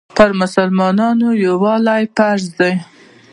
پر مسلمانانو یووالی فرض دی.